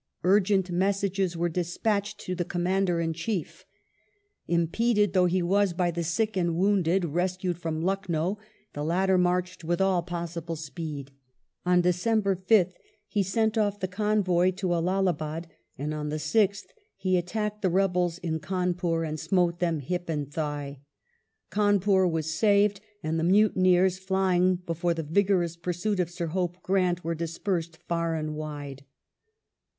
Urgent messages were des patched to the Commander in Chief. Impeded though he was by the sick and wounded rescued from Lucknow, the latter marched with all possible speed. On December 5th he sent off the convoy to Allahdbad, and on the 6th he attacked the rebels in Cawnpur, and smote them hip and thigh. Cawnpur was saved, and the mutineers, flying before the vigorous pursuit of Sir Hope Grant, were dispersed far and wide.